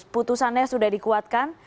putusannya sudah dikuatkan